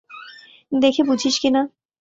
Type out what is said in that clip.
দেখি বুঝিস কি না।